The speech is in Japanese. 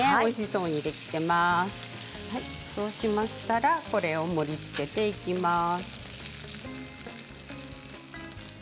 そうしましたらこれを盛りつけていきます。